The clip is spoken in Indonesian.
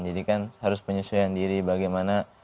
jadi kan harus penyesuaian diri bagaimana